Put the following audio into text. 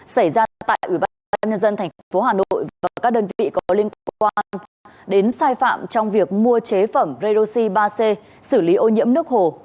xảy ra tại ủy ban nhân dân tp hà nội và các đơn vị có liên quan đến sai phạm trong việc mua chế phẩm redoxy ba c xử lý ô nhiễm nước hồ